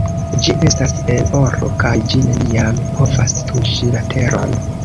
Ĝi estas el oro kaj ĝi neniam povas tuŝi la teron.